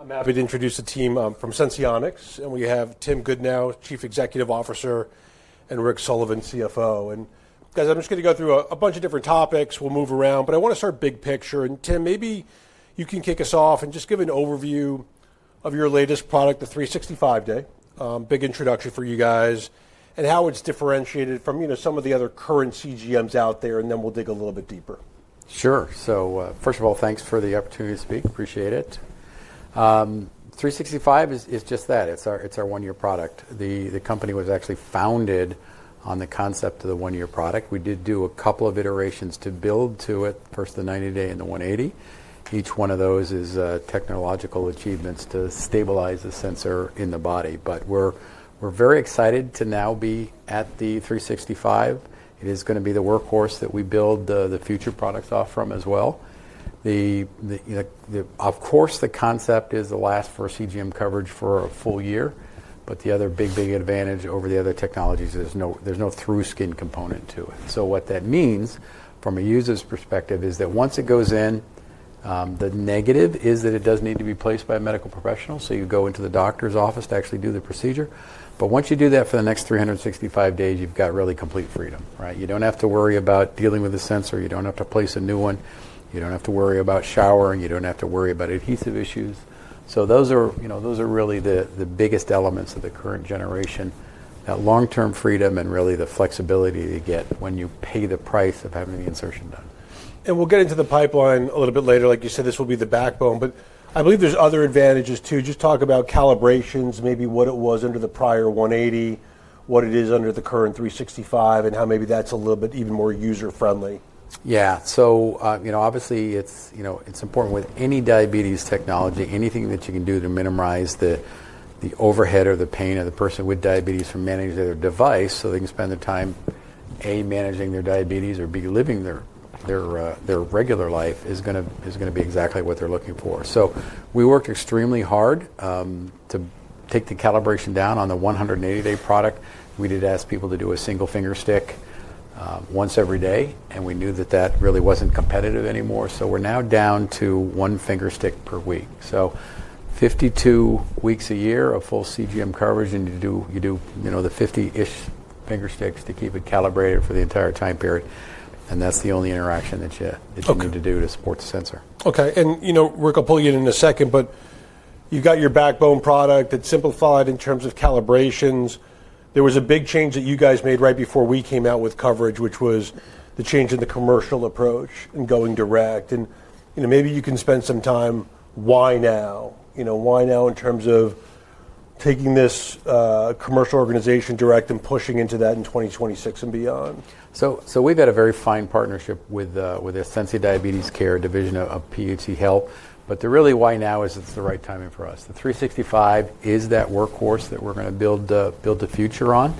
I'm happy to introduce the team from Senseonics, and we have Tim Goodnow, Chief Executive Officer, and Rick Sullivan, CFO. Guys, I'm just going to go through a bunch of different topics. We'll move around, but I want to start big picture. Tim, maybe you can kick us off and just give an overview of your latest product, the 365 Day, big introduction for you guys, and how it's differentiated from some of the other current CGMs out there, and then we'll dig a little bit deeper. Sure. So first of all, thanks for the opportunity to speak. Appreciate it. 365 is just that. It's our one-year product. The company was actually founded on the concept of the one-year product. We did do a couple of iterations to build to it, first the 90-day and the 180. Each one of those is technological achievements to stabilize the sensor in the body. But we're very excited to now be at the 365. It is going to be the workhorse that we build the future products off from as well. Of course, the concept is the last for CGM coverage for a full year, but the other big, big advantage over the other technologies is there's no through-skin component to it. So what that means from a user's perspective is that once it goes in, the negative is that it does need to be placed by a medical professional. You go into the doctor's office to actually do the procedure. Once you do that, for the next 365 days, you've got really complete freedom. You don't have to worry about dealing with the sensor. You don't have to place a new one. You don't have to worry about showering. You don't have to worry about adhesive issues. Those are really the biggest elements of the current generation, that long-term freedom and really the flexibility you get when you pay the price of having the insertion done. We'll get into the pipeline a little bit later. Like you said, this will be the backbone, but I believe there's other advantages too. Just talk about calibrations, maybe what it was under the prior 180, what it is under the current 365, and how maybe that's a little bit even more user-friendly. Yeah. Obviously, it's important with any diabetes technology, anything that you can do to minimize the overhead or the pain of the person with diabetes from managing their device so they can spend their time, A, managing their diabetes, or B, living their regular life, is going to be exactly what they're looking for. We worked extremely hard to take the calibration down on the 180-day product. We did ask people to do a single fingerstick once every day, and we knew that really was not competitive anymore. We are now down to one fingerstick per week. Fifty-two weeks a year of full CGM coverage, and you do the 50-ish fingersticks to keep it calibrated for the entire time period. That is the only interaction that you need to do to support the sensor. Okay. Rick, I'll pull you in in a second, but you've got your backbone product. It's simplified in terms of calibrations. There was a big change that you guys made right before we came out with coverage, which was the change in the commercial approach and going direct. Maybe you can spend some time, why now? Why now in terms of taking this commercial organization direct and pushing into that in 2026 and beyond? We've had a very fine partnership with the Ascensia Diabetes Care division of PHC Health. The really why now is it's the right timing for us. The 365 is that workhorse that we're going to build the future on.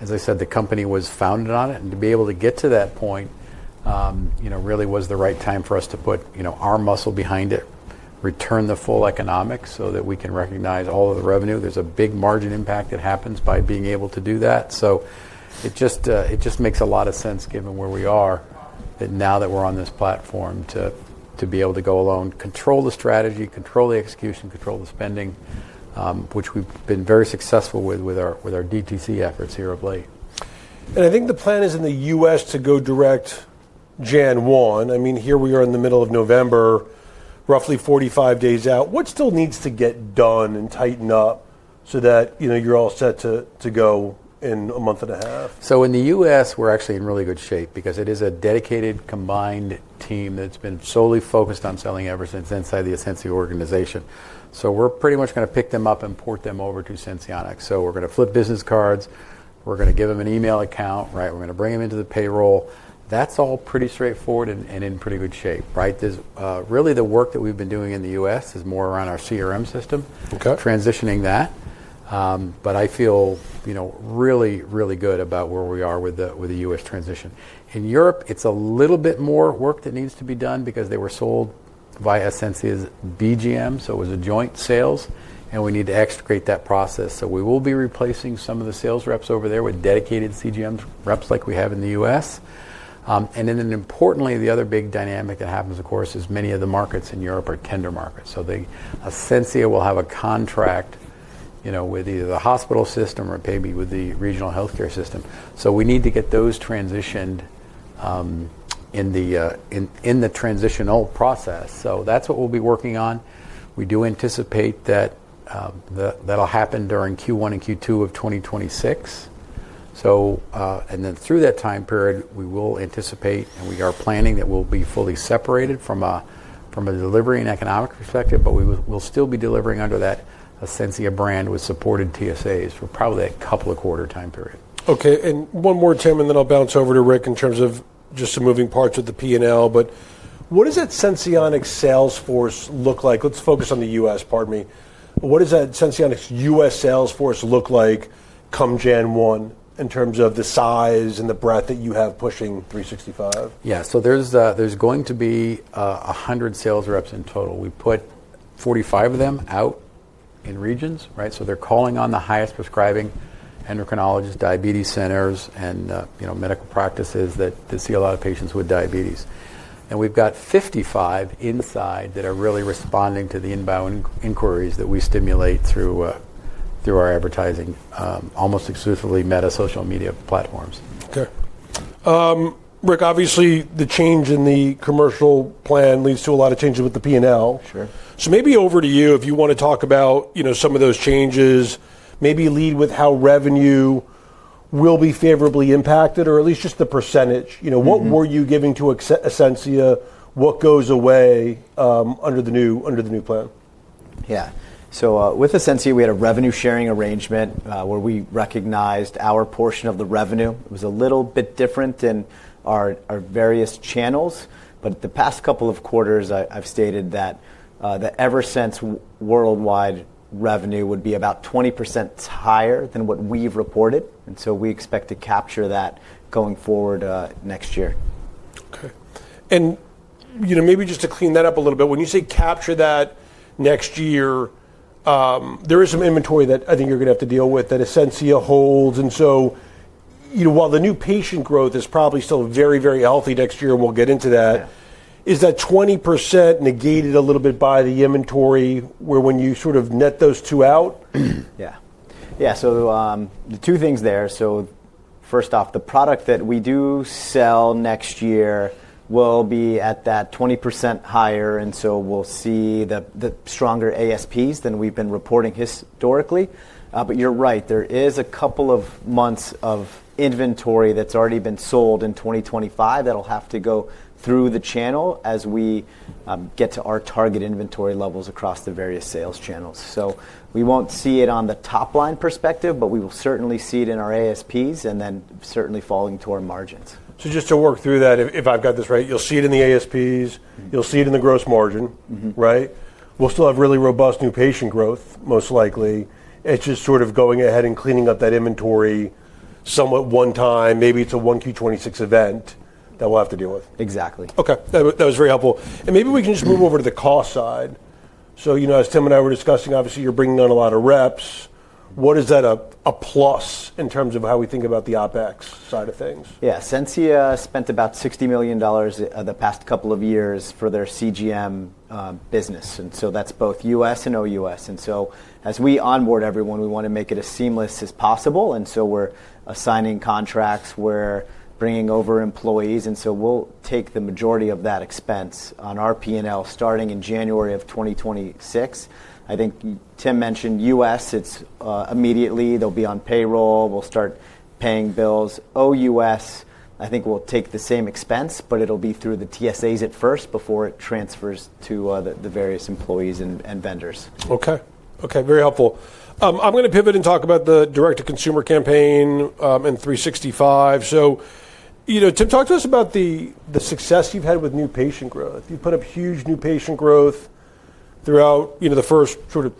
As I said, the company was founded on it. To be able to get to that point really was the right time for us to put our muscle behind it, return the full economics so that we can recognize all of the revenue. There's a big margin impact that happens by being able to do that. It just makes a lot of sense given where we are now that we're on this platform to be able to go alone, control the strategy, control the execution, control the spending, which we've been very successful with our DTC efforts here of late. I think the plan is in the U.S. to go direct January 1. I mean, here we are in the middle of November, roughly 45 days out. What still needs to get done and tighten up so that you're all set to go in a month and a half? In the U.S., we're actually in really good shape because it is a dedicated combined team that's been solely focused on selling Eversense inside the Ascensia organization. We're pretty much going to pick them up and port them over to Senseonics. We're going to flip business cards. We're going to give them an email account. We're going to bring them into the payroll. That's all pretty straightforward and in pretty good shape. Really, the work that we've been doing in the U.S. is more around our CRM system, transitioning that. I feel really, really good about where we are with the U.S. transition. In Europe, it's a little bit more work that needs to be done because they were sold via Ascensia's BGM. It was a joint sales, and we need to extricate that process. We will be replacing some of the sales reps over there with dedicated CGM reps like we have in the U.S. Importantly, the other big dynamic that happens, of course, is many of the markets in Europe are tender markets. Ascensia will have a contract with either the hospital system or maybe with the regional healthcare system. We need to get those transitioned in the transitional process. That is what we will be working on. We do anticipate that will happen during Q1 and Q2 of 2026. Through that time period, we will anticipate and we are planning that we will be fully separated from a delivery and economic perspective, but we will still be delivering under that Ascensia brand with supported TSAs for probably a couple of quarter time period. Okay. And one more, Tim, and then I'll bounce over to Rick in terms of just the moving parts of the P&L. What does that Senseonics Salesforce look like? Let's focus on the U.S., pardon me. What does that Senseonics U.S. Salesforce look like come January 1 in terms of the size and the breadth that you have pushing 365? Yeah. There is going to be 100 sales reps in total. We put 45 of them out in regions. They are calling on the highest prescribing endocrinologists, diabetes centers, and medical practices that see a lot of patients with diabetes. We have 55 inside that are really responding to the inbound inquiries that we stimulate through our advertising, almost exclusively Meta social media platforms. Okay. Rick, obviously, the change in the commercial plan leads to a lot of changes with the P&L. Maybe over to you if you want to talk about some of those changes, maybe lead with how revenue will be favorably impacted, or at least just the percentage. What were you giving to Ascensia? What goes away under the new plan? Yeah. So with Ascensia, we had a revenue sharing arrangement where we recognized our portion of the revenue. It was a little bit different than our various channels. The past couple of quarters, I've stated that the Eversense worldwide revenue would be about 20% higher than what we've reported. We expect to capture that going forward next year. Okay. Maybe just to clean that up a little bit, when you say capture that next year, there is some inventory that I think you're going to have to deal with that Ascensia holds. While the new patient growth is probably still very, very healthy next year, and we'll get into that, is that 20% negated a little bit by the inventory where when you sort of net those two out? Yeah. Yeah. The two things there. First off, the product that we do sell next year will be at that 20% higher. We will see the stronger ASPs than we've been reporting historically. You're right, there is a couple of months of inventory that's already been sold in 2025 that'll have to go through the channel as we get to our target inventory levels across the various sales channels. We won't see it on the top line perspective, but we will certainly see it in our ASPs and then certainly falling to our margins. Just to work through that, if I've got this right, you'll see it in the ASPs. You'll see it in the gross margin, right? We'll still have really robust new patient growth, most likely. It's just sort of going ahead and cleaning up that inventory somewhat one time. Maybe it's a one Q26 event that we'll have to deal with. Exactly. Okay. That was very helpful. Maybe we can just move over to the cost side. As Tim and I were discussing, obviously, you're bringing on a lot of reps. What is that a plus in terms of how we think about the OpEx side of things? Yeah. Ascensia spent about $60 million the past couple of years for their CGM business. That is both U.S. and OU.S.. As we onboard everyone, we want to make it as seamless as possible. We are assigning contracts. We are bringing over employees. We will take the majority of that expense on our P&L starting in January of 2026. I think Tim mentioned U.S.. It is immediately. They will be on payroll. We will start paying bills. OU.S., I think we will take the same expense, but it will be through the TSAs at first before it transfers to the various employees and vendors. Okay. Okay. Very helpful. I'm going to pivot and talk about the direct-to-consumer campaign and 365. So Tim, talk to us about the success you've had with new patient growth. You put up huge new patient growth throughout the first sort of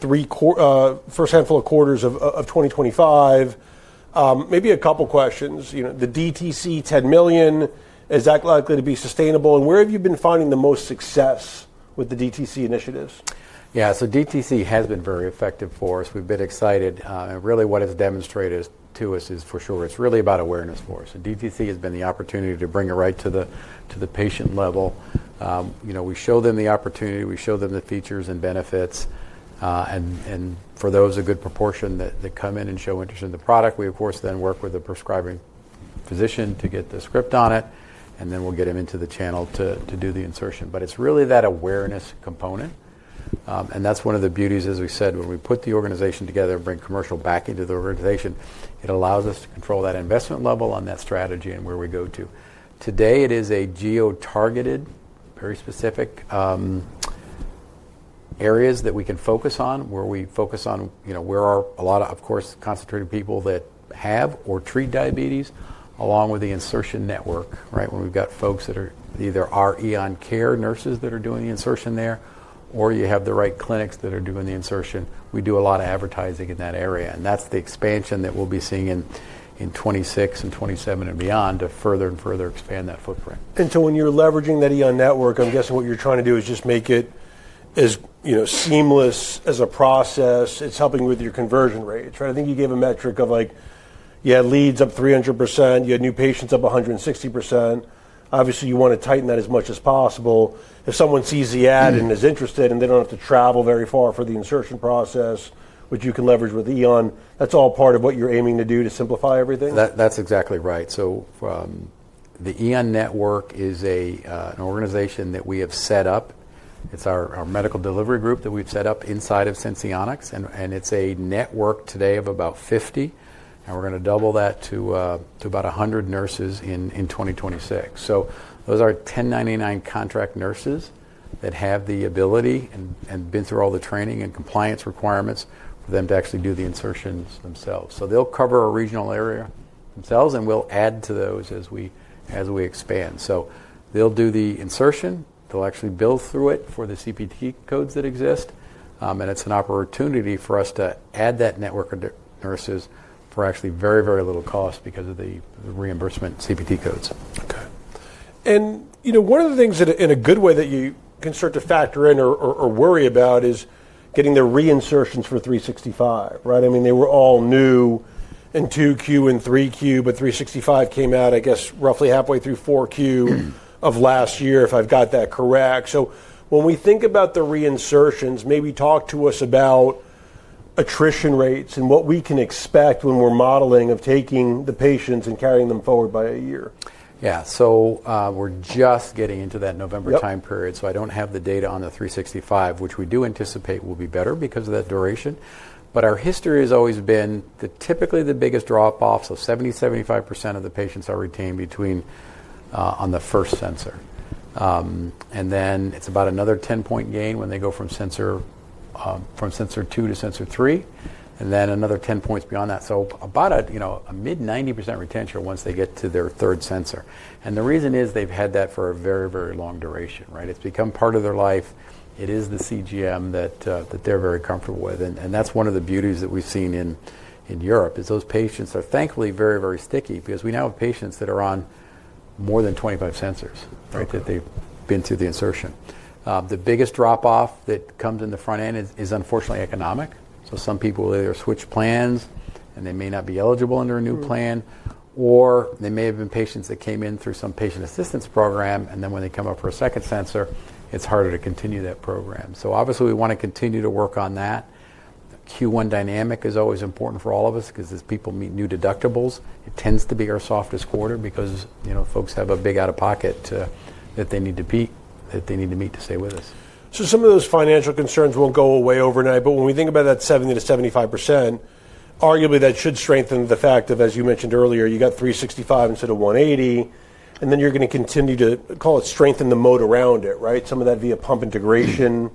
first handful of quarters of 2025. Maybe a couple of questions. The DTC $10 million, is that likely to be sustainable? And where have you been finding the most success with the DTC initiatives? Yeah. DTC has been very effective for us. We've been excited. What it's demonstrated to us is for sure, it's really about awareness for us. DTC has been the opportunity to bring it right to the patient level. We show them the opportunity. We show them the features and benefits. For those, a good proportion that come in and show interest in the product, we, of course, then work with the prescribing physician to get the script on it, and then we'll get him into the channel to do the insertion. It's really that awareness component. That's one of the beauties, as we said, when we put the organization together and bring commercial back into the organization, it allows us to control that investment level on that strategy and where we go to. Today, it is a geo-targeted, very specific areas that we can focus on where we focus on where are a lot of, of course, concentrated people that have or treat diabetes along with the insertion network, right? When we've got folks that are either our Eoncare nurses that are doing the insertion there, or you have the right clinics that are doing the insertion. We do a lot of advertising in that area. That is the expansion that we'll be seeing in 2026 and 2027 and beyond to further and further expand that footprint. When you're leveraging that Eon network, I'm guessing what you're trying to do is just make it as seamless as a process. It's helping with your conversion rate, right? I think you gave a metric of like you had leads up 300%, you had new patients up 160%. Obviously, you want to tighten that as much as possible. If someone sees the ad and is interested and they don't have to travel very far for the insertion process, which you can leverage with Eon, that's all part of what you're aiming to do to simplify everything? That's exactly right. The Eon network is an organization that we have set up. It's our medical delivery group that we've set up inside of Senseonics. It's a network today of about 50, and we're going to double that to about 100 nurses in 2026. Those are 1099 contract nurses that have the ability and have been through all the training and compliance requirements for them to actually do the insertions themselves. They'll cover a regional area themselves, and we'll add to those as we expand. They'll do the insertion. They'll actually bill through it for the CPT codes that exist. It's an opportunity for us to add that network of nurses for actually very, very little cost because of the reimbursement CPT codes. Okay. One of the things in a good way that you can start to factor in or worry about is getting the reinsertions for 365, right? I mean, they were all new in 2Q and 3Q, but 365 came out, I guess, roughly halfway through 4Q of last year, if I've got that correct. When we think about the reinsertions, maybe talk to us about attrition rates and what we can expect when we're modeling of taking the patients and carrying them forward by a year. Yeah. So we're just getting into that November time period. I don't have the data on the 365, which we do anticipate will be better because of that duration. Our history has always been that typically the biggest drop-off, so 70%-75% of the patients are retained on the first sensor. Then it's about another 10-point gain when they go from sensor two to sensor three, and then another 10 points beyond that. About a mid-90% retention once they get to their third sensor. The reason is they've had that for a very, very long duration, right? It's become part of their life. It is the CGM that they're very comfortable with. That is one of the beauties that we have seen in Europe is those patients are thankfully very, very sticky because we now have patients that are on more than 25 sensors that they have been through the insertion. The biggest drop-off that comes in the front end is unfortunately economic. Some people either switch plans and they may not be eligible under a new plan, or they may have been patients that came in through some patient assistance program, and then when they come up for a second sensor, it is harder to continue that program. Obviously, we want to continue to work on that. Q1 dynamic is always important for all of us because as people meet new deductibles, it tends to be our softest quarter because folks have a big out-of-pocket that they need to meet to stay with us. Some of those financial concerns won't go away overnight. When we think about that 70%-75%, arguably that should strengthen the fact of, as you mentioned earlier, you got 365 instead of 180. Then you're going to continue to call it strengthen the moat around it, right? Some of that via pump integration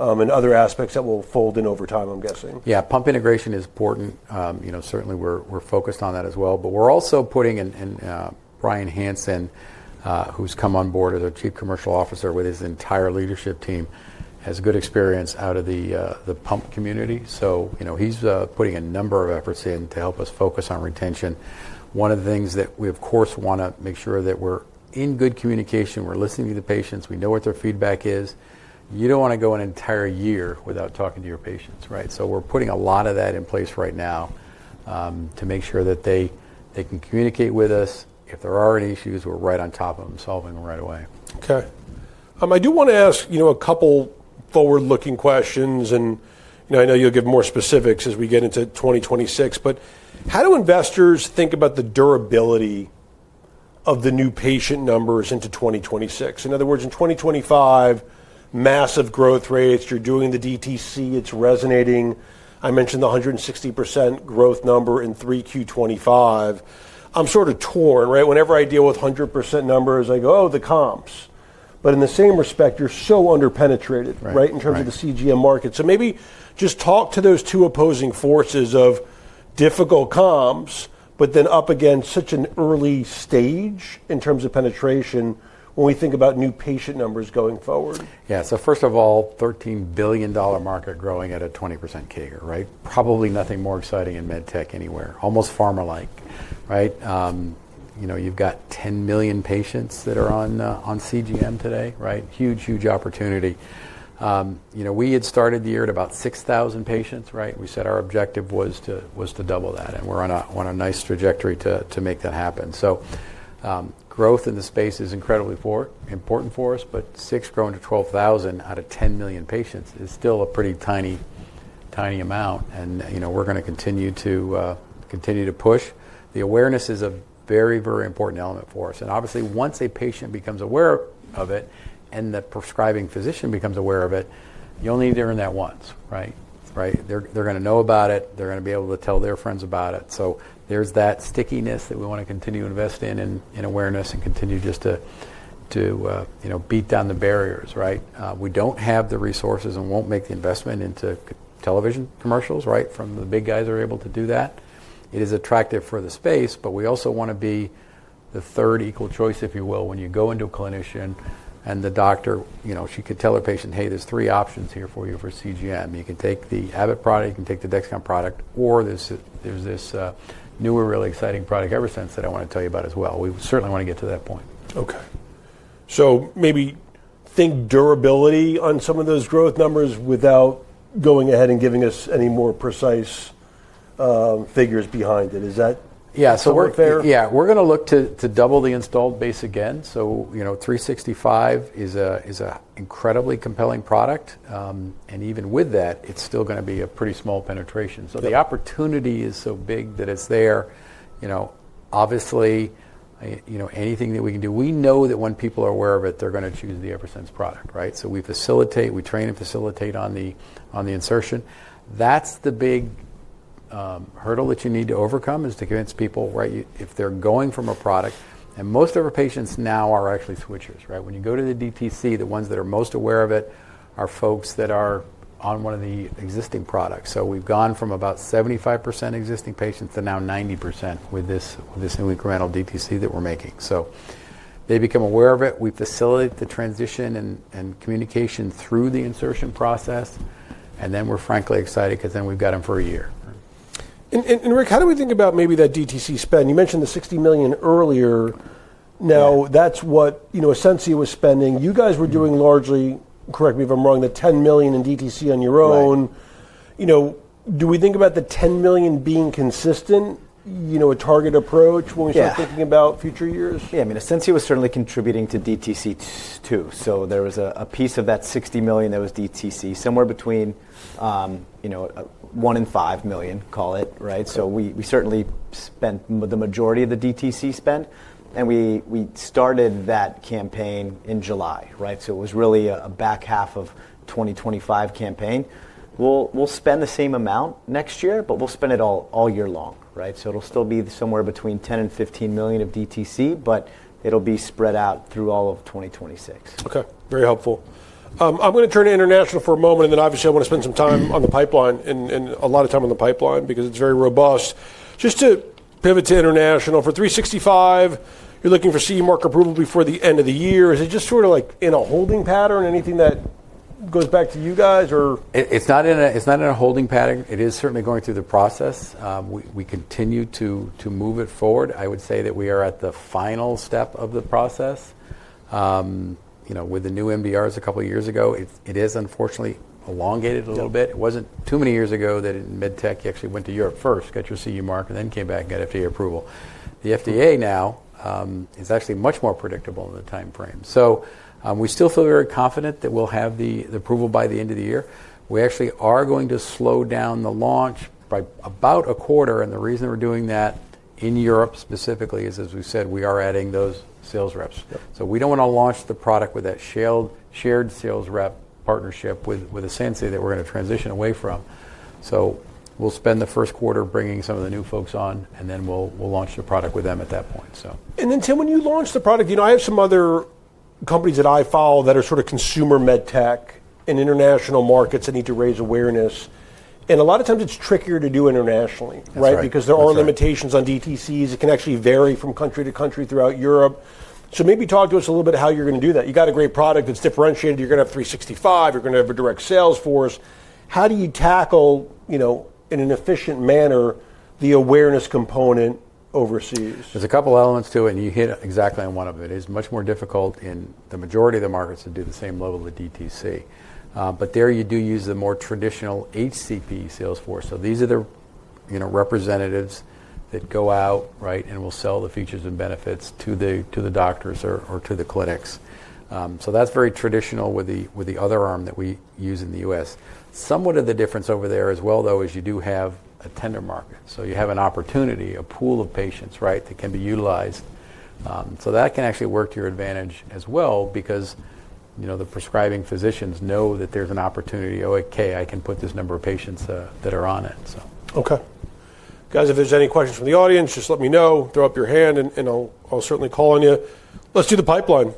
and other aspects that will fold in over time, I'm guessing. Yeah. Pump integration is important. Certainly, we're focused on that as well. We're also putting in Brian Hansen, who's come on board as our Chief Commercial Officer with his entire leadership team, has good experience out of the pump community. He's putting a number of efforts in to help us focus on retention. One of the things that we, of course, want to make sure that we're in good communication. We're listening to the patients. We know what their feedback is. You don't want to go an entire year without talking to your patients, right? We're putting a lot of that in place right now to make sure that they can communicate with us. If there are any issues, we're right on top of them solving them right away. Okay. I do want to ask a couple of forward-looking questions. I know you'll give more specifics as we get into 2026. How do investors think about the durability of the new patient numbers into 2026? In other words, in 2025, massive growth rates. You're doing the DTC. It's resonating. I mentioned the 160% growth number in 3Q25. I'm sort of torn, right? Whenever I deal with 100% numbers, I go, "Oh, the comps." In the same respect, you're so underpenetrated, right, in terms of the CGM market. Maybe just talk to those two opposing forces of difficult comps, but then up against such an early stage in terms of penetration when we think about new patient numbers going forward. Yeah. First of all, $13 billion market growing at a 20% CAGR, right? Probably nothing more exciting in med tech anywhere. Almost pharma-like, right? You have 10 million patients that are on CGM today, right? Huge, huge opportunity. We had started the year at about 6,000 patients, right? We said our objective was to double that. We are on a nice trajectory to make that happen. Growth in the space is incredibly important for us. 6 growing to 12,000 out of 10 million patients is still a pretty tiny amount. We are going to continue to push. The awareness is a very, very important element for us. Obviously, once a patient becomes aware of it and the prescribing physician becomes aware of it, you only need to earn that once, right? They are going to know about it. They're going to be able to tell their friends about it. There's that stickiness that we want to continue to invest in and awareness and continue just to beat down the barriers, right? We don't have the resources and won't make the investment into television commercials, right? The big guys are able to do that. It is attractive for the space, but we also want to be the third equal choice, if you will, when you go into a clinician and the doctor, she could tell her patient, "Hey, there's three options here for you for CGM. You can take the Abbott product. You can take the Dexcom product. Or there's this newer, really exciting product Eversense that I want to tell you about as well." We certainly want to get to that point. Okay. So maybe think durability on some of those growth numbers without going ahead and giving us any more precise figures behind it. Is that a work there? Yeah. We're going to look to double the installed base again. 365 is an incredibly compelling product. Even with that, it's still going to be a pretty small penetration. The opportunity is so big that it's there. Obviously, anything that we can do, we know that when people are aware of it, they're going to choose the Eversense product, right? We facilitate, we train and facilitate on the insertion. That's the big hurdle that you need to overcome, to convince people, right, if they're going from a product. Most of our patients now are actually switchers, right? When you go to the DTC, the ones that are most aware of it are folks that are on one of the existing products. We've gone from about 75% existing patients to now 90% with this new incremental DTC that we're making. They become aware of it. We facilitate the transition and communication through the insertion process. And then we're frankly excited because then we've got them for a year. Rick, how do we think about maybe that DTC spend? You mentioned the $60 million earlier. Now, that's what Ascensia was spending. You guys were doing largely, correct me if I'm wrong, the $10 million in DTC on your own. Do we think about the $10 million being consistent, a target approach when we start thinking about future years? Yeah. I mean, Ascensia was certainly contributing to DTC too. So there was a piece of that $60 million that was DTC, somewhere between $1 million and $5 million, call it, right? So we certainly spent the majority of the DTC spend. And we started that campaign in July, right? It was really a back half of 2025 campaign. We'll spend the same amount next year, but we'll spend it all year long, right? It'll still be somewhere between $10 million and $15 million of DTC, but it'll be spread out through all of 2026. Okay. Very helpful. I'm going to turn to international for a moment. Then obviously, I want to spend some time on the pipeline and a lot of time on the pipeline because it's very robust. Just to pivot to international, for 365, you're looking for CE Mark approval before the end of the year. Is it just sort of like in a holding pattern? Anything that goes back to you guys or? It's not in a holding pattern. It is certainly going through the process. We continue to move it forward. I would say that we are at the final step of the process. With the new MDRs a couple of years ago, it has unfortunately elongated a little bit. It was not too many years ago that in med tech, you actually went to Europe first, got your CE Mark, and then came back and got FDA approval. The FDA now is actually much more predictable in the time frame. We still feel very confident that we will have the approval by the end of the year. We actually are going to slow down the launch by about a quarter. The reason we are doing that in Europe specifically is, as we said, we are adding those sales reps. We do not want to launch the product with that shared sales rep partnership with Ascensia that we are going to transition away from. We will spend the first quarter bringing some of the new folks on, and then we will launch the product with them at that point. Tim, when you launch the product, I have some other companies that I follow that are sort of consumer med tech in international markets that need to raise awareness. A lot of times it's trickier to do internationally, right? Because there are limitations on DTCs. It can actually vary from country to country throughout Europe. Maybe talk to us a little bit how you're going to do that. You got a great product that's differentiated. You're going to have 365. You're going to have a direct sales force. How do you tackle in an efficient manner the awareness component overseas? There's a couple of elements to it, and you hit exactly on one of it. It is much more difficult in the majority of the markets to do the same level of the DTC. There you do use the more traditional HCP sales force. These are the representatives that go out, right, and will sell the features and benefits to the doctors or to the clinics. That is very traditional with the other arm that we use in the U.S. Somewhat of the difference over there as well, though, is you do have a tender market. You have an opportunity, a pool of patients, right, that can be utilized. That can actually work to your advantage as well because the prescribing physicians know that there's an opportunity. Okay, I can put this number of patients that are on it, so. Okay. Guys, if there are any questions from the audience, just let me know. Throw up your hand, and I'll certainly call on you. Let's do the pipeline.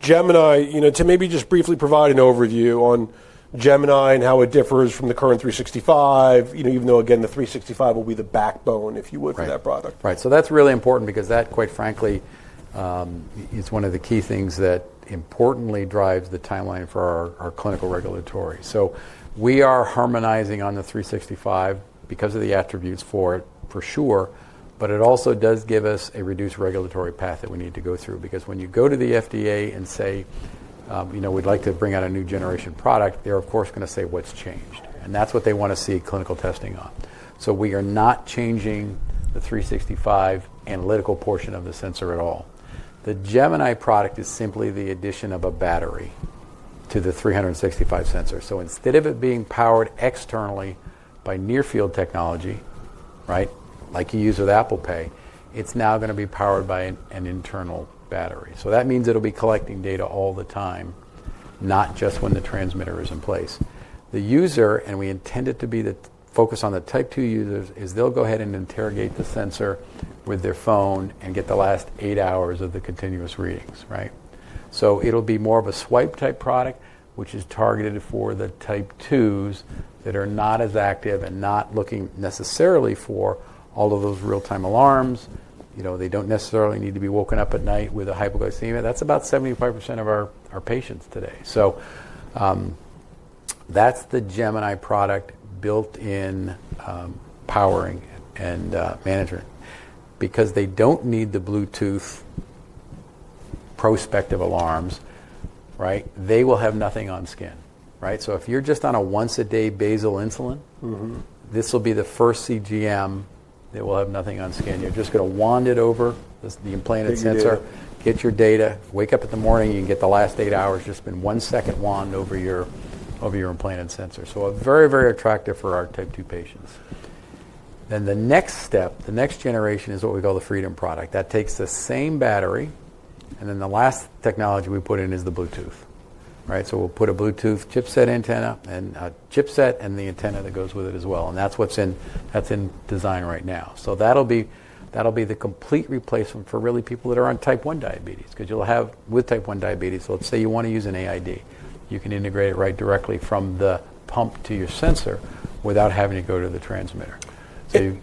Gemini, Tim, maybe just briefly provide an overview on Gemini and how it differs from the current 365, even though, again, the 365 will be the backbone, if you would, for that product. Right. That is really important because that, quite frankly, is one of the key things that importantly drives the timeline for our clinical regulatory. We are harmonizing on the 365 because of the attributes for it, for sure. It also does give us a reduced regulatory path that we need to go through because when you go to the FDA and say, "We'd like to bring out a new generation product," they are, of course, going to say, "What's changed?" That is what they want to see clinical testing on. We are not changing the 365 analytical portion of the sensor at all. The Gemini product is simply the addition of a battery to the 365 sensor. Instead of it being powered externally by near-field technology, like you use with Apple Pay, it is now going to be powered by an internal battery. That means it'll be collecting data all the time, not just when the transmitter is in place. The user, and we intend it to be the focus on the type two users, is they'll go ahead and interrogate the sensor with their phone and get the last eight hours of the continuous readings, right? It'll be more of a swipe type product, which is targeted for the type twos that are not as active and not looking necessarily for all of those real-time alarms. They don't necessarily need to be woken up at night with a hypoglycemia. That's about 75% of our patients today. That's the Gemini product built-in powering and management. Because they don't need the Bluetooth prospective alarms, right? They will have nothing on skin, right? If you're just on a once-a-day basal insulin, this will be the first CGM that will have nothing on skin. You're just going to wand it over the implanted sensor, get your data, wake up in the morning, and get the last eight hours, just one second wand over your implanted sensor. Very, very attractive for our type two patients. The next step, the next generation, is what we call the Freedom product. That takes the same battery. The last technology we put in is the Bluetooth, right? We'll put a Bluetooth chipset and a chipset and the antenna that goes with it as well. That's what's in design right now. That will be the complete replacement for people that are on type one diabetes because you'll have with type one diabetes. Let's say you want to use an AID. You can integrate it right directly from the pump to your sensor without having to go to the transmitter. You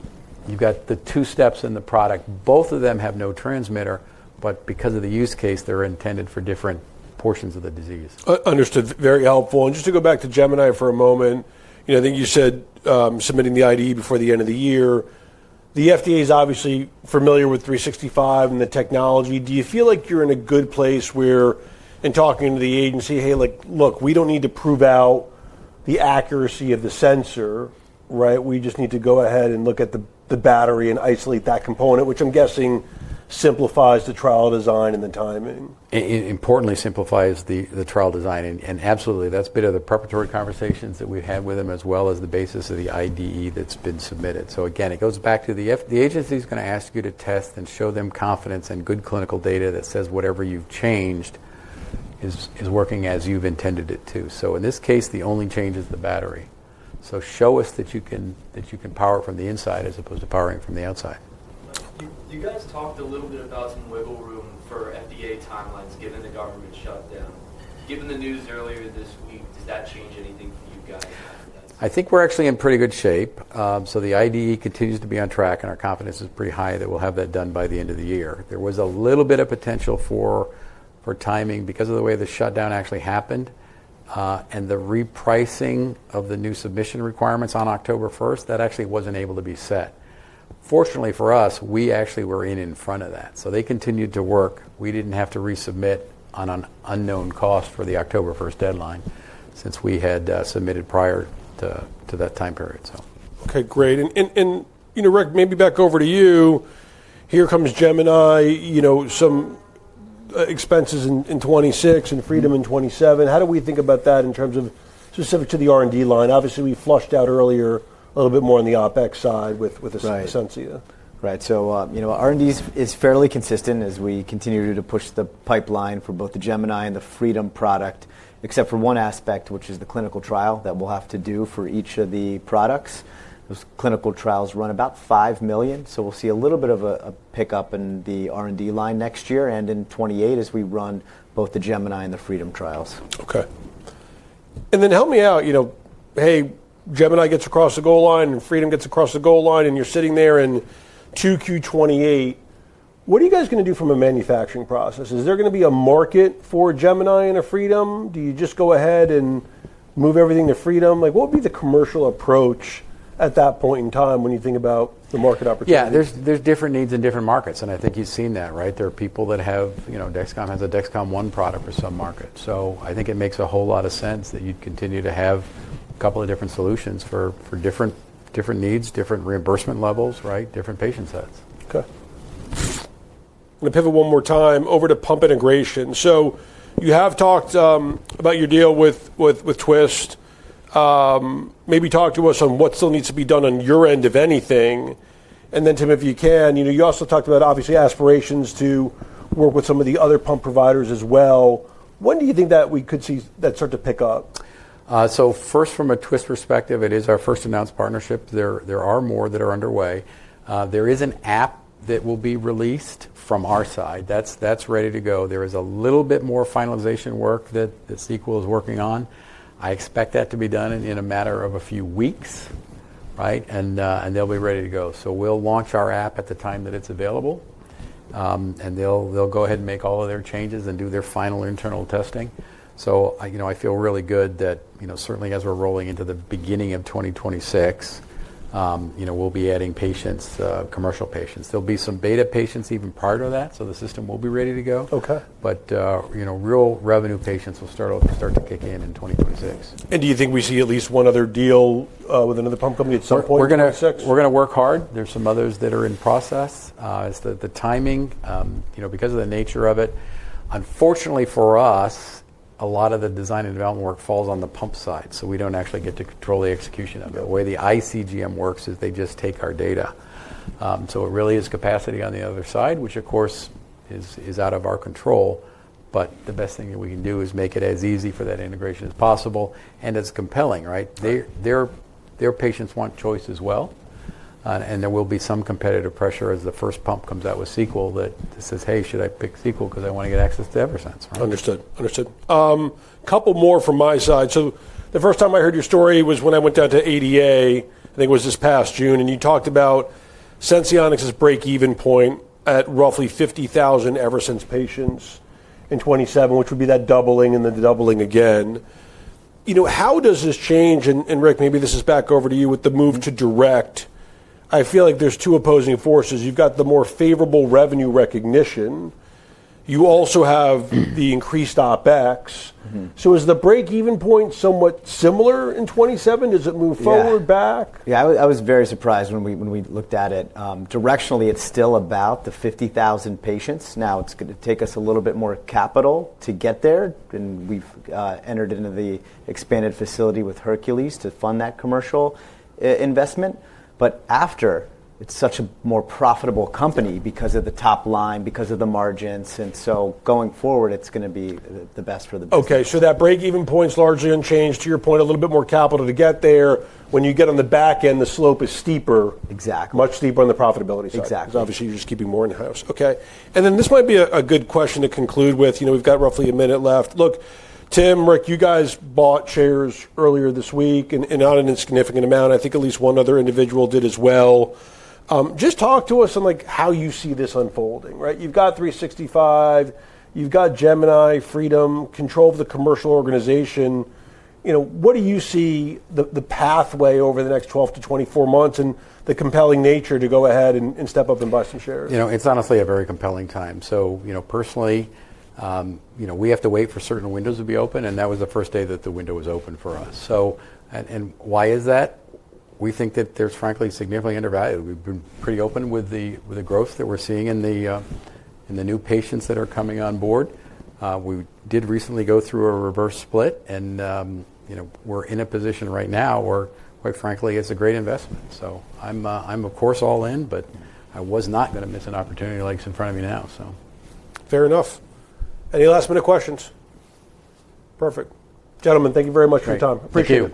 have the two steps in the product. Both of them have no transmitter, but because of the use case, they are intended for different portions of the disease. Understood. Very helpful. Just to go back to Gemini for a moment, I think you said submitting the IDE before the end of the year. The FDA is obviously familiar with 365 and the technology. Do you feel like you're in a good place where in talking to the agency, "Hey, look, we don't need to prove out the accuracy of the sensor," right? We just need to go ahead and look at the battery and isolate that component, which I'm guessing simplifies the trial design and the timing. It importantly simplifies the trial design. Absolutely, that's been of the preparatory conversations that we've had with them as well as the basis of the IDE that's been submitted. Again, it goes back to the agency is going to ask you to test and show them confidence and good clinical data that says whatever you've changed is working as you've intended it to. In this case, the only change is the battery. Show us that you can power it from the inside as opposed to powering from the outside. You guys talked a little bit about some wiggle room for FDA timelines given the government shutdown. Given the news earlier this week, does that change anything for you guys? I think we're actually in pretty good shape. The IDE continues to be on track, and our confidence is pretty high that we'll have that done by the end of the year. There was a little bit of potential for timing because of the way the shutdown actually happened and the repricing of the new submission requirements on October 1 that actually wasn't able to be set. Fortunately for us, we actually were in in front of that. They continued to work. We didn't have to resubmit on an unknown cost for the October 1 deadline since we had submitted prior to that time period. Okay. Great. Rick, maybe back over to you. Here comes Gemini, some expenses in 2026 and Freedom in 2027. How do we think about that in terms of specific to the R&D line? Obviously, we flushed out earlier a little bit more on the OpEx side with Ascensia. Right. R&D is fairly consistent as we continue to push the pipeline for both the Gemini and the Freedom product, except for one aspect, which is the clinical trial that we will have to do for each of the products. Those clinical trials run about $5 million. We will see a little bit of a pickup in the R&D line next year and in 2028 as we run both the Gemini and the Freedom trials. Okay. And then help me out. Hey, Gemini gets across the goal line and Freedom gets across the goal line and you're sitting there in 2Q 2028. What are you guys going to do from a manufacturing process? Is there going to be a market for Gemini and a Freedom? Do you just go ahead and move everything to Freedom? What would be the commercial approach at that point in time when you think about the market opportunity? Yeah. There are different needs in different markets. I think you've seen that, right? There are people that have Dexcom has a Dexcom One product for some markets. I think it makes a whole lot of sense that you'd continue to have a couple of different solutions for different needs, different reimbursement levels, right? Different patient sets. Okay. I'm going to pivot one more time over to pump integration. You have talked about your deal with Sequel. Maybe talk to us on what still needs to be done on your end, if anything. Then Tim, if you can, you also talked about obviously aspirations to work with some of the other pump providers as well. When do you think that we could see that start to pick up? First, from a twiist perspective, it is our first announced partnership. There are more that are underway. There is an app that will be released from our side. That's ready to go. There is a little bit more finalization work that Sequel is working on. I expect that to be done in a matter of a few weeks, right? They'll be ready to go. We'll launch our app at the time that it's available. They'll go ahead and make all of their changes and do their final internal testing. I feel really good that certainly as we're rolling into the beginning of 2026, we'll be adding patients, commercial patients. There will be some beta patients even prior to that. The system will be ready to go. Real revenue patients will start to kick in in 2026. Do you think we see at least one other deal with another pump company at some point? We're going to work hard. There are some others that are in process. The timing, because of the nature of it, unfortunately for us, a lot of the design and development work falls on the pump side. We do not actually get to control the execution of it. The way the iCGM works is they just take our data. It really is capacity on the other side, which of course is out of our control. The best thing that we can do is make it as easy for that integration as possible. It is compelling, right? Their patients want choice as well. There will be some competitive pressure as the first pump comes out with Sequel that says, "Hey, should I pick Sequel because I want to get access to Eversense? Understood. Understood. A couple more from my side. The first time I heard your story was when I went down to ADA, I think it was this past June. You talked about Senseonics' break-even point at roughly 50,000 Eversense patients in 2027, which would be that doubling and then doubling again. How does this change? Rick, maybe this is back over to you with the move to direct. I feel like there are two opposing forces. You have the more favorable revenue recognition. You also have the increased OpEx. Is the break-even point somewhat similar in 2027? Does it move forward, back? Yeah. I was very surprised when we looked at it. Directionally, it's still about the 50,000 patients. Now it's going to take us a little bit more capital to get there. We have entered into the expanded facility with Hercules to fund that commercial investment. After, it's such a more profitable company because of the top line, because of the margins. Going forward, it's going to be the best for the business. Okay. So that break-even point's largely unchanged. To your point, a little bit more capital to get there. When you get on the back end, the slope is steeper. Exactly. Much steeper on the profitability side. Exactly. Because obviously you're just keeping more in-house. Okay. This might be a good question to conclude with. We've got roughly a minute left. Look, Tim, Rick, you guys bought shares earlier this week and not an insignificant amount. I think at least one other individual did as well. Just talk to us on how you see this unfolding, right? You've got 365. You've got Gemini, Freedom, control of the commercial organization. What do you see the pathway over the next 12 to 24 months and the compelling nature to go ahead and step up and buy some shares? It's honestly a very compelling time. Personally, we have to wait for certain windows to be open. That was the first day that the window was open for us. Why is that? We think that there's frankly significantly undervalued. We've been pretty open with the growth that we're seeing in the new patients that are coming on board. We did recently go through a reverse split. We're in a position right now where, quite frankly, it's a great investment. I'm, of course, all in, but I was not going to miss an opportunity like it's in front of me now. Fair enough. Any last minute questions? Perfect. Gentlemen, thank you very much for your time. Appreciate it.